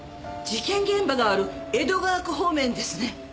事件現場がある江戸川区方面ですね。